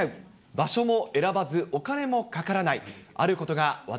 場所も選ばず、お金もかからない、え？